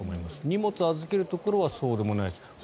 荷物を預けるところはそうでもないと。